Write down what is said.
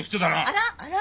あらあら？